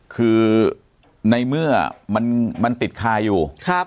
คือในเมื่อมันติดคาอยู่